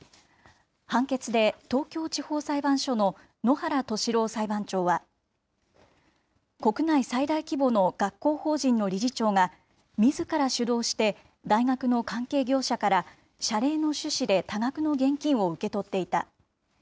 判決で東京地方裁判所の野原俊郎裁判長は、国内最大規模の学校法人の理事長が、みずから主導して大学の関係業者から謝礼の趣旨で多額の現金を受け取っていた。